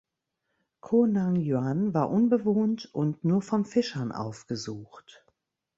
Ko Nang Yuan war unbewohnt und nur von Fischern aufgesucht.